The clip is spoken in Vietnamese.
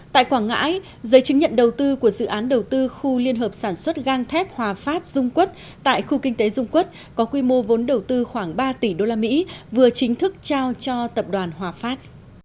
tại quảng ngãi giấy chứng nhận đầu tư của dự án đầu tư khu liên hợp sản xuất gang thép hòa phát dung quất tại khu kinh tế dung quốc có quy mô vốn đầu tư khoảng ba tỷ usd vừa chính thức trao cho tập đoàn hòa phát